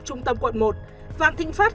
trung tâm quận một vạn thịnh pháp